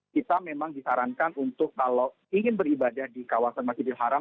kita memang disarankan untuk kalau ingin beribadah di kawasan masjidil haram